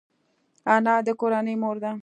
انا د کورنۍ مور ده